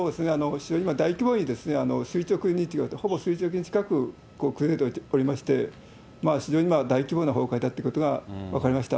非常に大規模に垂直に、ほぼ垂直に近く崩れておりまして、非常に大規模な崩壊だということが分かりました。